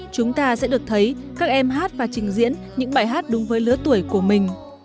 chúng ta sẽ được thấy các em hát và trình diễn những bài hát đúng với lứa tuổi của mình